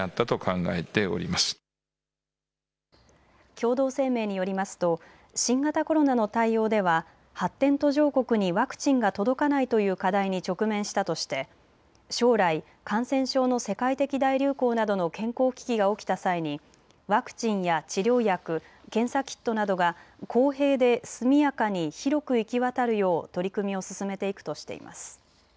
共同声明によりますと新型コロナの対応では発展途上国にワクチンが届かないという課題に直面したとして将来、感染症の世界的大流行などの健康危機が起きた際にワクチンや治療薬、検査キットなどが公平で速やかに広く行き渡るよう取り組みを進めていくとしています。